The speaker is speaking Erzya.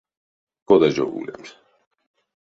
Кода жо улемс?